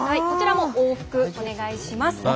こちらも往復、お願いします。